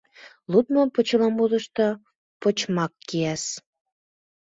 Лудмо почеламутшо почмак кияс.